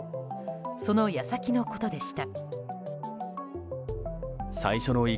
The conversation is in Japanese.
その矢先のことでした。